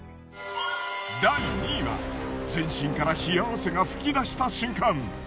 第２位は全身から冷や汗が噴き出した瞬間。